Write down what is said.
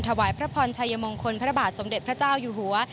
ถวายพระพรชัยมงคลพระบาทสมเด็จพระเจ้าอยู่หัว